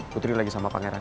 putri lagi sama pangeran